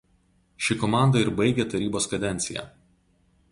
Ši komanda ir baigė tarybos kadenciją.